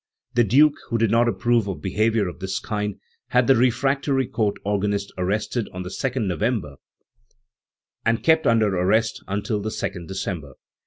The Duke, who did not approve of behaviour of this kind, had the refractory Court organist arrested on the 2nd No vember, and kept under arrest until the 2nd December*.